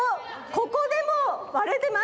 ここでもわれてます！